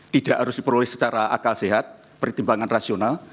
tidak harus diperoleh secara akal sehat pertimbangan rasional